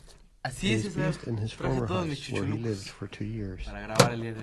It is based in his former house, where he lived for two years.